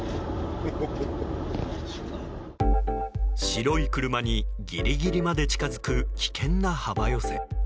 白い車にギリギリまで近づく危険な幅寄せ。